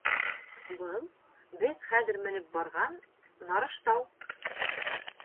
Был, беҙ хәҙер менеп барған, Нарыштау.